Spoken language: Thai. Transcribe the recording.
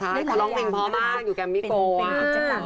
ใช่เขาร้องเพลงพอมากอยู่แก่มมิโกว่า